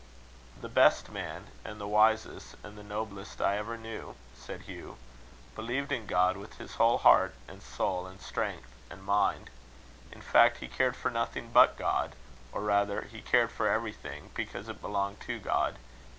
"The best man, and the wisest, and the noblest I ever knew," said Hugh, "believed in God with his whole heart and soul and strength and mind. In fact, he cared for nothing but God; or rather, he cared for everything because it belonged to God.